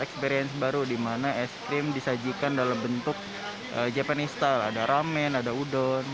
experience baru dimana es krim disajikan dalam bentuk japanista ada ramen ada udon